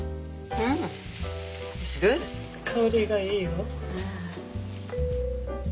香りがいいよ。